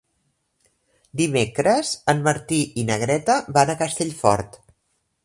Dimecres en Martí i na Greta van a Castellfort.